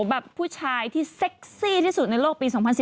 แบบผู้ชายที่เซ็กซี่ที่สุดในโลกปี๒๐๑๙